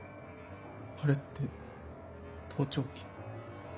あれって盗聴器？